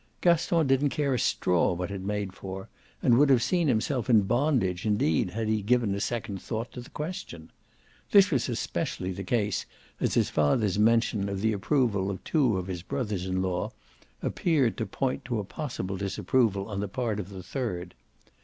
Gaston didn't care a straw what it made for, and would have seen himself in bondage indeed had he given a second thought to the question. This was especially the case as his father's mention of the approval of two of his brothers in law appeared to point to a possible disapproval on the part of the third.